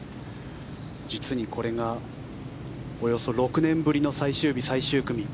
実に、これがおよそ６年ぶりの最終日、最終組。